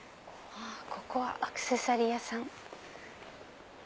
ここはアクセサリー屋さん。